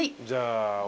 じゃあ。